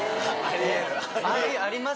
あります？